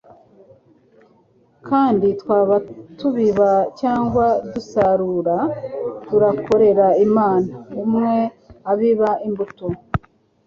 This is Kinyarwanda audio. Kandi twaba tubiba cyangwa dusarura, turakorera Imana. Umwe abiba imbuto;